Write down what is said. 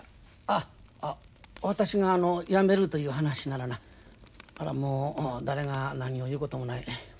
あっ私がやめるという話ならなもう誰が何を言うこともない。